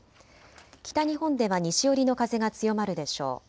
北日本では西寄りの風が強まるでしょう。